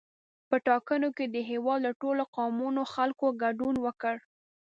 په ټاکنو کې د هېواد له ټولو قومونو خلکو ګډون وکړ.